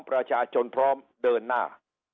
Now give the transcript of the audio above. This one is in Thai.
ประชาชนพร้อมเดินหน้า